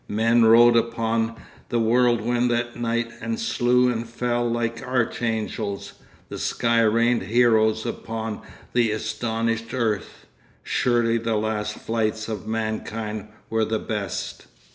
Men rode upon the whirlwind that night and slew and fell like archangels. The sky rained heroes upon the astonished earth. Surely the last fights of mankind were the best.